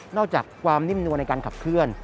จากความนิ่มนวลในการขับเคลื่อน